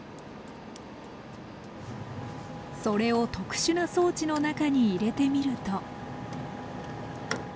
それを特殊な装置の中に入れてみると。